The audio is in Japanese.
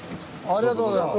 ありがとうございます。